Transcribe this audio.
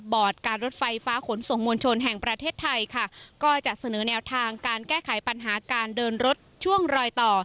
การรถไฟฟ้าขนส่งมวลชนแห่งประเทศไทยค่ะก็จะเสนอแนวทางการแก้ไขปัญหาการเดินรถช่วงรอยต่อ